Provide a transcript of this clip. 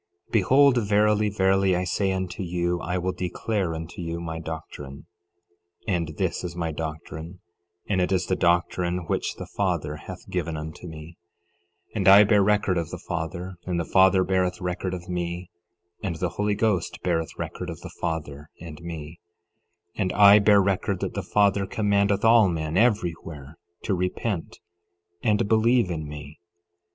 11:31 Behold, verily, verily, I say unto you, I will declare unto you my doctrine. 11:32 And this is my doctrine, and it is the doctrine which the Father hath given unto me; and I bear record of the Father, and the Father beareth record of me, and the Holy Ghost beareth record of the Father and me; and I bear record that the Father commandeth all men, everywhere, to repent and believe in me.